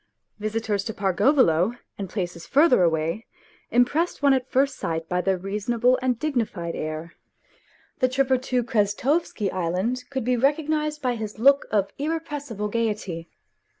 Visitors to Pargolovo and places further away impressed one at first sight by their reasonable and dignified air ; the tripper to Krestovsky Island could be recognized by his look of irrepressible gaiety.